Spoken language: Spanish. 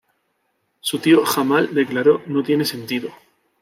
Su tío Jamal declaró: "No tiene sentido.